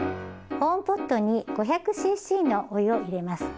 保温ポットに５００ｃｃのお湯を入れます。